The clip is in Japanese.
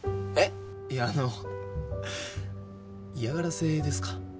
えっいやあの嫌がらせですか？